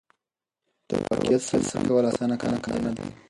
د واقعیت سم درک کول اسانه کار نه دی.